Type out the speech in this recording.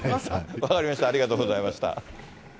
分かりました、ありがとうございました。